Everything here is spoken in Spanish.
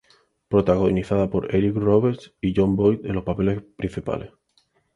Protagonizada por Eric Roberts y Jon Voight en los papeles principales.